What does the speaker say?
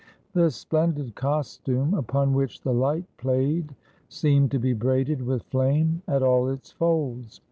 This splendid costume, upon which the light played, seemed to be braided with flame at all its folds.